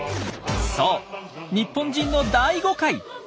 そう日本人の大誤解！